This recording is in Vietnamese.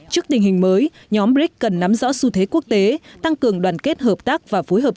trước tình hình mới nhóm brics cần nắm rõ xu thế quốc tế tăng cường đoàn kết hợp tác và phối hợp